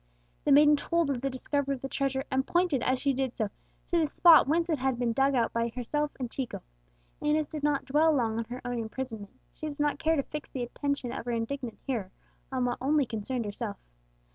The maiden told of the discovery of the treasure, and pointed, as she did so, to the spot whence it had been dug out by herself and Chico. Inez did not dwell long on her own imprisonment; she did not care to fix the attention of her indignant hearer on what only concerned herself.